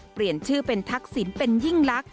เปลี่ยนชื่อเป็นทักษิณเป็นยิ่งลักษ